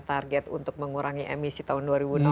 target untuk mengurangi emisi tahun